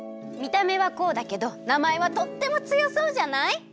みためはこうだけどなまえはとってもつよそうじゃない？